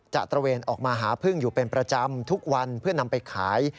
ตระเวนออกมาหาพึ่งอยู่เป็นประจำทุกวันเพื่อนำไปขาย